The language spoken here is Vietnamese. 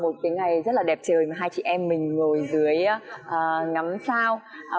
một cái ngày rất là đẹp trời mà hai chị em mình ngồi dưới ngắm sao